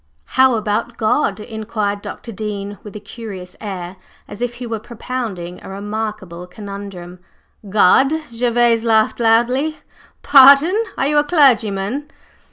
"How about God?" inquired Dr. Dean with a curious air, as if he were propounding a remarkable conundrum. "God!" Gervase laughed loudly. "Pardon! Are you a clergyman?"